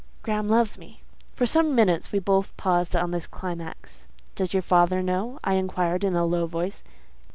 Graham loves me." For some minutes we both paused on this climax. "Does your father know?" I inquired, in a low voice.